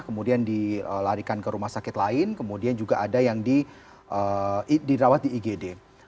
kemudian dilarikan ke rumah sakit lain kemudian juga ada yang dirawat di igd